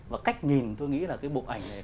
và cách nhìn tôi nghĩ là cái bộ ảnh này